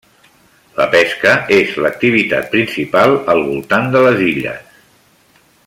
La pesca és l'activitat principal al voltant de les illes.